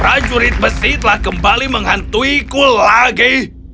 prajurit besi telah kembali menghantuiku lagi